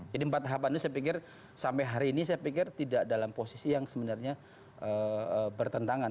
jadi empat tahapan itu saya pikir sampai hari ini saya pikir tidak dalam posisi yang sebenarnya bertentangan